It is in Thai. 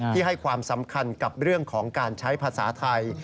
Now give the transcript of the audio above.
ให้ความสำคัญกับเรื่องของการใช้ภาษาไทย